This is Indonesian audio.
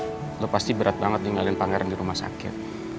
bud gue tau lo pasti berat banget nyalin pangeran di rumah sakit